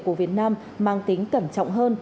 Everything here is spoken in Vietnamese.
của việt nam mang tính cẩn trọng hơn